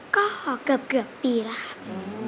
ก็เกือบปีแล้วค่ะ